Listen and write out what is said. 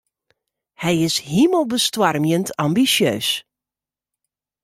Hy is himelbestoarmjend ambisjeus.